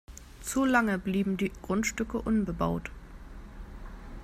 Zu lange blieben die Grundstücke unbebaut.